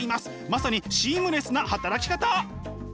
まさにシームレスな働き方！